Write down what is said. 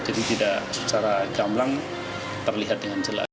jadi tidak secara gamlang terlihat dengan jelas